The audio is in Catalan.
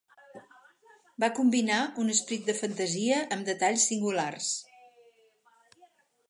Va combinar un esperit de fantasia amb detalls singulars.